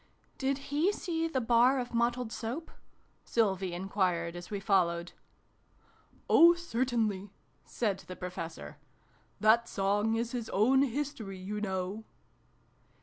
"Did he see the Bar of Mottled Soap?" Sylvie enquired, as we followed. " Oh, certainly !" said the Professor. " That song is his own history, you know."